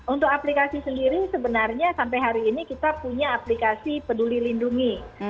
untuk aplikasi sendiri sebenarnya sampai hari ini kita punya aplikasi peduli lindungi